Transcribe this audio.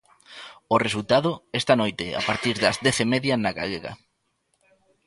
O resultado, esta noite a partir das dez e media na Galega.